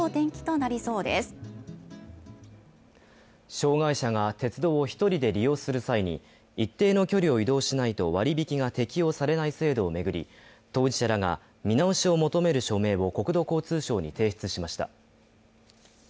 障害者が鉄道を１人で利用する際に一定の距離を移動しないと割引きが適用されない制度を巡り当事者らが見直しを求める署名を国土交通省に提出しました。